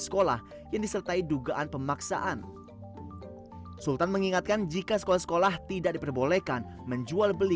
sekolah yang disertai dugaan pemaksaan dan kemudian juga menggunakan informasi yang tidak sepenuhnya dan mungkin juga tidak menuruti